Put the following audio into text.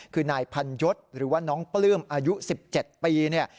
คือนายพันยศหรือว่าน้องปลื้มอายุ๑๗ปีเนี่ย